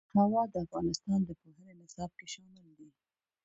هوا د افغانستان د پوهنې نصاب کې شامل دي.